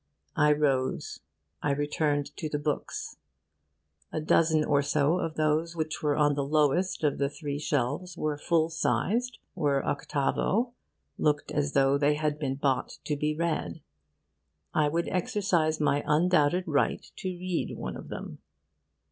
I rose, I returned to the books. A dozen or so of those which were on the lowest of the three shelves were full sized, were octavo, looked as though they had been bought to be read. I would exercise my undoubted right to read one of them.